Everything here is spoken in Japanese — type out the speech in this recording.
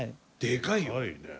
でかいね。